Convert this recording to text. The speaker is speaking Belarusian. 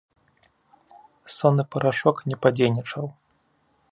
Сонны парашок не падзейнічаў.